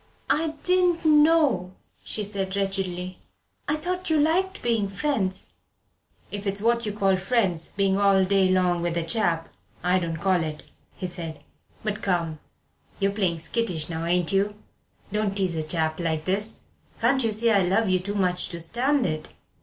"I didn't know," she said wretchedly. "I thought you liked being friends." "If it's what you call 'friends,' being all day long with a chap, I don't so call it," he said. "But come you're playing skittish now, ain't you? Don't tease a chap like this. Can't you see I love you too much to stand it?